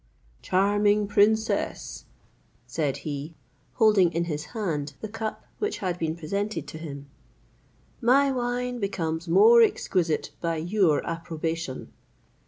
"Charming princess," said he, holding in his hand the cup which had been presented to him," my wine becomes more exquisite by your approbation."